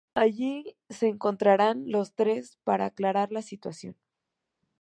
Allí se encontrarán los tres para aclarar la situación.